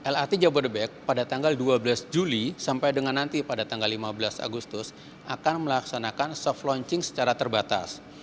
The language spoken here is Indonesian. lrt jabodebek akan melakukan soft launching secara terbatas dari tanggal dua belas juli sampai dengan nanti pada tanggal lima belas agustus